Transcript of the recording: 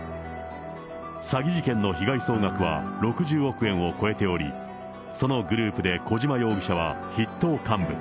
詐欺事件の被害総額は６０億円を超えており、そのグループで小島容疑者は筆頭幹部。